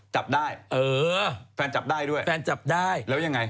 จับได้แฟนจับได้ด้วยแล้วยังไง